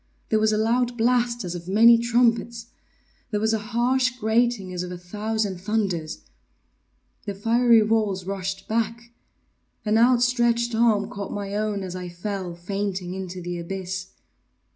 There was a loud blast as of many trumpets! There was a harsh grating as of a thousand thunders! The fiery walls rushed back! An outstretched arm caught my own as I fell, fainting, into the abyss.